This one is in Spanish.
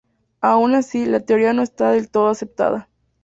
Aun así, la teoría no está del todo aceptada.